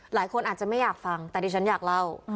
หลายคนอาจจะไม่อยากฟังแต่ดิฉันอยากเล่า